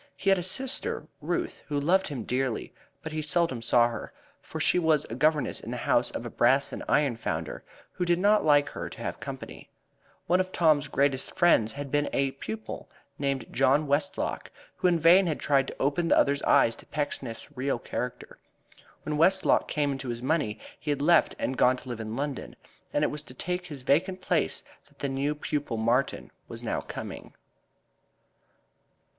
He had a sister Ruth who loved him dearly, but he seldom saw her, for she was a governess in the house of a brass and iron founder, who did not like her to have company. One of Tom's greatest friends had been a pupil named John Westlock, who in vain had tried to open the other's eyes to Pecksniff's real character. When Westlock came into his money he had left and gone to live in London, and it was to take his vacant place that the new pupil Martin was now coming.